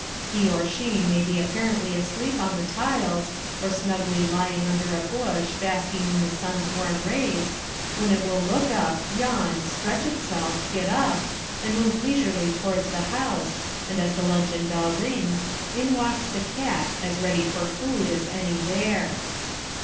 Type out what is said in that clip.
He or she may be apparently asleep on the tiles, or snugly lying under a bush basking in the sun's warm rays, when it will look up, yawn, stretch itself, get up, and move leisurely towards the house, and as the luncheon bell rings, in walks the cat, as ready for food as any there.